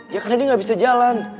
ya karena dia nggak bisa jalan